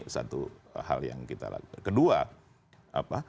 satu hal yang kita lakukan kedua apa